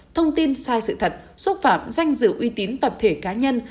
thông tin sai sự thật xúc phạm danh dự uy tín tập thể cá nhân